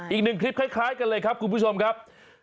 อีกหนึ่งคลิปคล้ายกันเลยครับคุณผู้ชมครับ